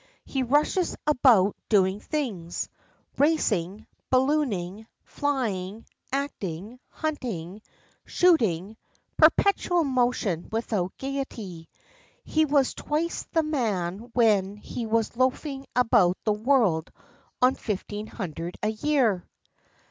He rushes about doing things; racing, ballooning, flying, acting, hunting, shooting; perpetual motion without gaiety. He was twice the man when he was loafing about the world on fifteen hundred a year."